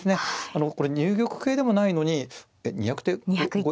これ入玉形でもないのにえっ２００手超え。